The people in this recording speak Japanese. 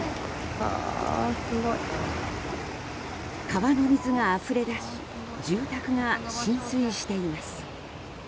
川の水があふれ出し住宅が浸水しています。